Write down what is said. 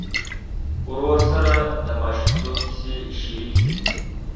ورور سره د ماشومتوب کیسې شريکې وې.